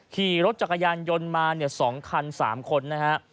ขี่รถจักรยานยนต์มา๒คัน๓คนนะฮะ